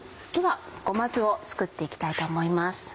ではごま酢を作って行きたいと思います。